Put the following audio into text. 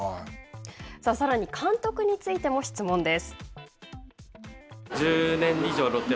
さらに監督についても質問です。